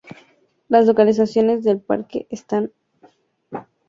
Las locaciones del parque están definidas por un sistema de terrazas y terraplenes.